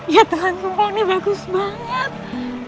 ya telanjung pokoknya bagus banget